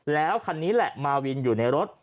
แล้วคันนี้แหละมาวินอยู่ในรถ